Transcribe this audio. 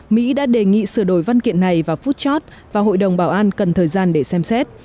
mỹ đã đề nghị sửa đổi văn kiện này vào phút chót và hội đồng bảo an cần thời gian để xem xét